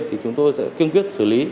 thì chúng tôi sẽ kiên quyết xử lý